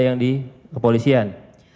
yang di kepolisian